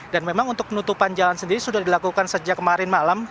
dan memang untuk penutupan jalan sendiri sudah dilakukan sejak kemarin malam